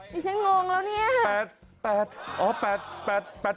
ฉันงงแล้วเนี่ย